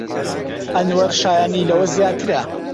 ئەنوەر شایەنی لەوە زیاترە.